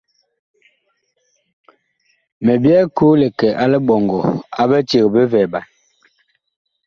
Mi byɛɛ koo li kɛ a liɓɔŋgɔ a biceg bi vɛɛɓan.